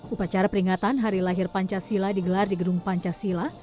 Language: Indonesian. upacara peringatan hari lahir pancasila digelar di gedung pancasila